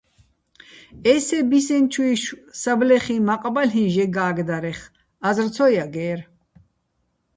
ესე ბისენჩუჲშვ საბლეხიჼ მაყ ბალ'იჼ ჟე გა́გდარეხ, აზრ ცო ჲაგე́რ.